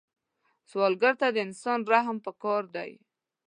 سوالګر ته د انسان رحم پکار دی